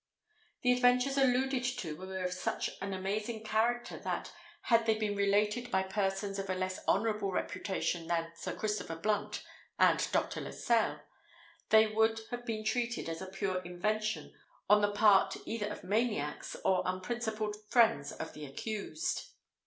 The adventures alluded to were of such an amazing character, that, had they been related by persons of a less honourable reputation than Sir Christopher Blunt and Dr. Lascelles, they would have been treated as a pure invention on the part either of maniacs or unprincipled friends of the accused.